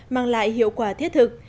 mang lại hiệu quả thiết thực